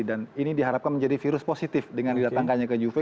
dan ini diharapkan menjadi virus positif dengan didatangkannya ke juve